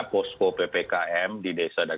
posko ppkm di desa dan